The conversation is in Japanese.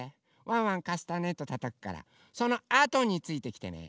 ワンワンカスタネットたたくからそのあとについてきてね。